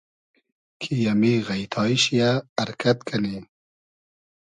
کی امی غݷتای شی یۂ ارکئد کئنی